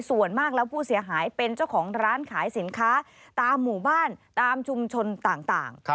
ส่วนมากแล้วผู้เสียหายเป็นเจ้าของร้านขายสินค้าตามหมู่บ้านตามชุมชนต่าง